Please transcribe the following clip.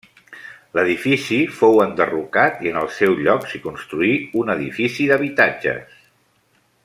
L’edifici fou enderrocat i en el seu lloc s'hi construí un edifici d’habitatges.